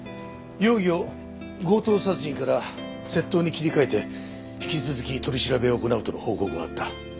容疑を強盗殺人から窃盗に切り替えて引き続き取り調べを行うとの報告があった。